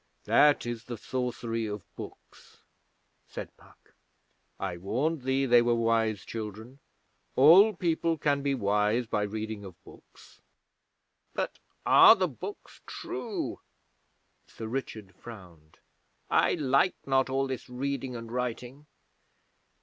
'That is the sorcery of books,' said Puck. 'I warned thee they were wise children. All people can be wise by reading of books.' 'But are the books true?' Sir Richard frowned. 'I like not all this reading and writing.'